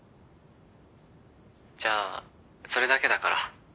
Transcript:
じゃあそれだけだから。